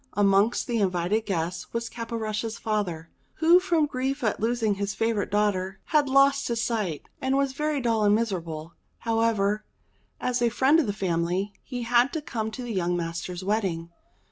Amongst the invited guests was Caporushes' father, who from grief at losing his favourite daughter, had lost his sight, and was very dull and miserable. However, as a friend of the family, he had to come to the young master's wedding.